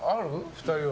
２人は。